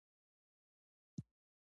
خو ښځه که د محبوبې په نقش کې ده